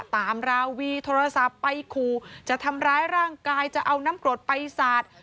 ราวีโทรศัพท์ไปขู่จะทำร้ายร่างกายจะเอาน้ำกรดไปสาด